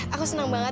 aku seneng banget